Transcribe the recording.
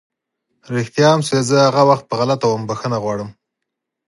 رښتيا هم چې زه هغه وخت پر غلطه وم، بښنه غواړم!